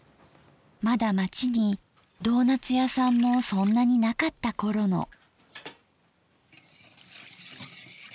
まだ町にドーナッツ屋さんもそんなになかった頃の。